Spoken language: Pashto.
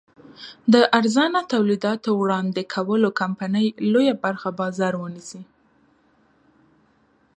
د ارزانه تولیداتو وړاندې کولو کمپنۍ لویه برخه بازار ونیسي.